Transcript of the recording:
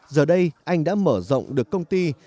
giờ đây anh đã mở rộng được công ty